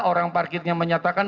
orang parkirnya menyatakan